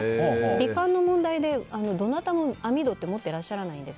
美観の問題で、どなたも網戸って持っていらっしゃらないんです。